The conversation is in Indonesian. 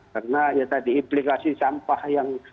karena ya tadi implikasi sampah yang